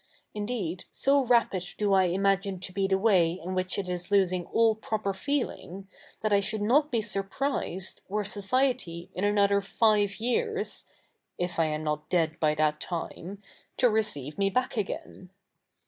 Indeed^ so rapid do I imagi?ie to be the way in which it is losing all proper feelifig^ that I should not be surprised ivere society in another five years, if I am not dead by that time, to 7'eceive me back again.